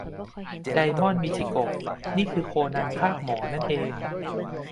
ไดมอน มิจิโกะ นี่คือโคนันภาคหมอนั่นเอง